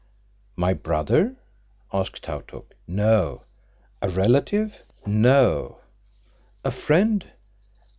"My brother?" asked Tautuk. "No." "A relative?" "No." "A friend?"